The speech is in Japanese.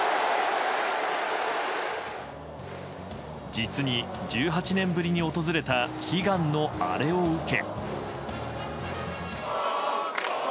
実に１８年ぶりに訪れた悲願のアレを受け。